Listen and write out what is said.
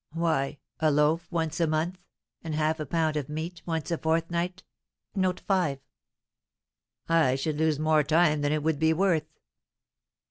Why, a loaf once a month, and half a pound of meat once a fortnight. I should lose more time than it would be worth."